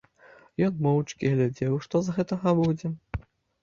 Ён моўчкі глядзеў, што з гэтага будзе.